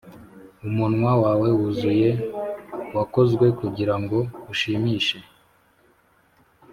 umunwa wawe wuzuye wakozwe kugirango ushimishe